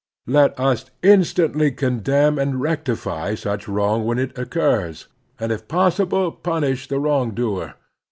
Let us instantly condemn and rectify such wrong when it occurs, and if possible punish the wrong doer.